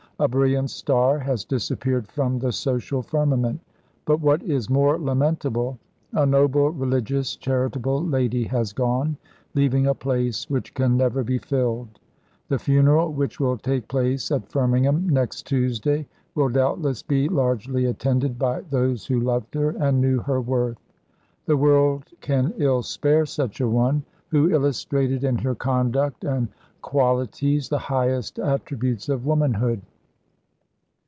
A brilliant star has disappeared from the social firmament; but what is more lamentable, a noble, religious, charitable lady has gone, leaving a place which can never be filled. The funeral, which will take place at Firmingham next Tuesday, will doubtless be largely attended by those who loved her and knew her worth. The world can ill spare such a one, who illustrated in her conduct and qualities the highest attributes of womanhood.